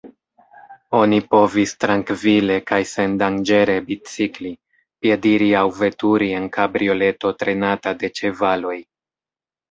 Oni povis trankvile kaj sendanĝere bicikli, piediri aŭ veturi en kabrioleto trenata de ĉevaloj.